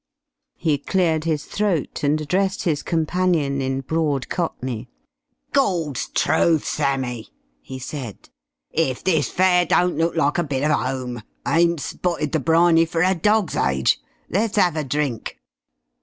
He cleared his throat, and addressed his companion in broad cockney. "Gawd's truf, Sammie!" he said. "If this fair don't look like a bit of 'ome. Ain't spotted the briny for a dog's age. Let's 'ave a drink."